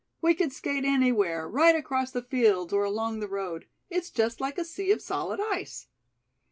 We could skate anywhere, right across the fields or along the road. It's just like a sea of solid ice."